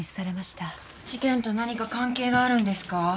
事件と何か関係があるんですか？